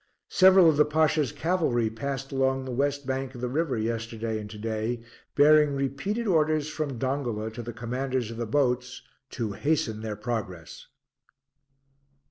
Several of the Pasha's Cavalry passed along the west bank of the river yesterday and to day, bearing repeated orders from Dongola to the commanders of the boats to hasten their progress.